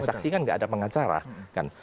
saksi kan tidak ada pengacara